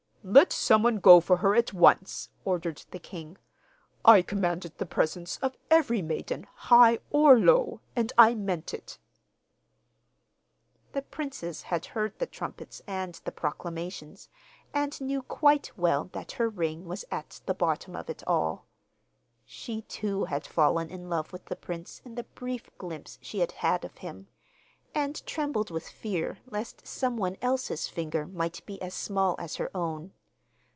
'Let some one go for her at once,' ordered the king. 'I commanded the presence of every maiden, high or low, and I meant it.' The princess had heard the trumpets and the proclamations, and knew quite well that her ring was at the bottom of it all. She, too, had fallen in love with the prince in the brief glimpse she had had of him, and trembled with fear lest someone else's finger might be as small as her own.